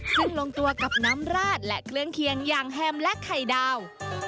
ซึ่งลงตัวกับน้ำราดและเครื่องเคียงอย่างแฮมและไข่ดาว